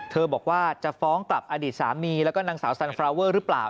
บอกว่าจะฟ้องกลับอดีตสามีแล้วก็นางสาวสันฟราเวอร์หรือเปล่า